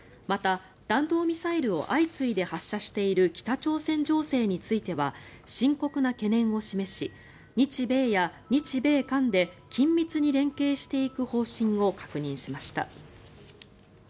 また、弾道ミサイルを相次いで発射している北朝鮮情勢については深刻な懸念を示し日米や日米韓で緊密に連携していく方針を確認しました。